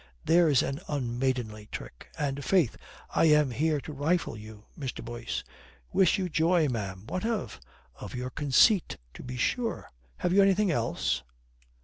There's an unmaidenly trick. And, faith, I am here to rifle you, Mr. Boyce." "Wish you joy, ma'am. What of?" "Of your conceit, to be sure. Have you anything else?"